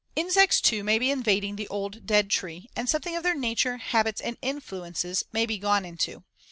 Insects too, may be invading the old dead tree, and something of their nature, habits and influences may be gone into.